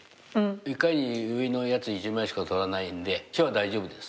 一回に上のやつ一枚しか取らないんで木は大丈夫です。